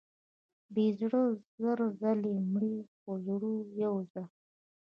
بې زړه زر ځلې مري، خو زړور یو ځل.